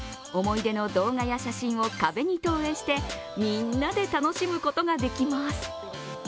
思い出の動画や写真を壁に投影してみんなで楽しむことができます。